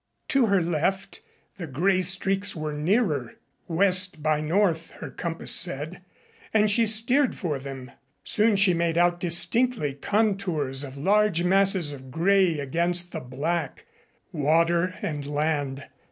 To her left the gray streaks were nearer west by north her compass said, and she steered for them. Soon she made out distinctly contours of large masses of gray against the black water and land.